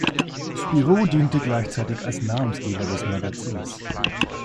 Spirou diente gleichzeitig als Namensgeber des Magazins.